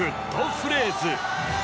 フレーズ